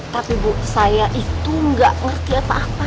tapi ibu saya itu gak ngerti apa apa